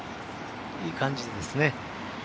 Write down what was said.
いい感じですね。